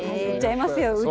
言っちゃいますよ。